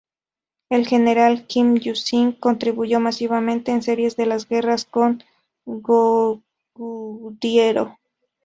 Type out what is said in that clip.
El general Kim Yu-shin contribuyó masivamente en series de las guerras con Goguryeo.